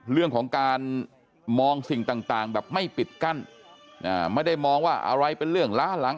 เรื่องของการมองสิ่งต่างแบบไม่ปิดกั้นไม่ได้มองว่าอะไรเป็นเรื่องล้าหลัง